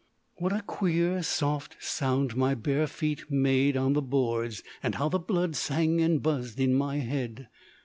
What a queer soft sound my bare feet made on the boards! how the blood sang and buzzed in my head!